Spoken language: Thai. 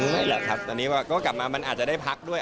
ไม่แหละครับตอนนี้ก็กลับมามันอาจจะได้พักด้วย